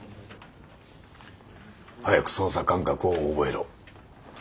早く操作感覚を覚えろ。